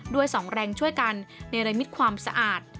ด้วย๒แรงช่วยกันในระมิตความสะอาด